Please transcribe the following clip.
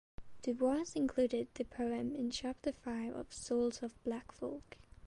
Du Bois included the poem in chapter five of "Souls of Black Folk".